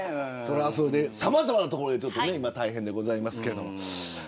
それはそれでさまざまなところで大変でございますけれども。